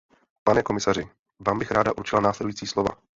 Pane komisaři, vám bych ráda určila následující slova.